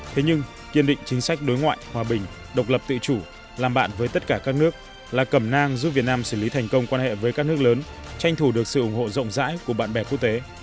thế nhưng kiên định chính sách đối ngoại hòa bình độc lập tự chủ làm bạn với tất cả các nước là cầm nang giúp việt nam xử lý thành công quan hệ với các nước lớn tranh thủ được sự ủng hộ rộng rãi của bạn bè quốc tế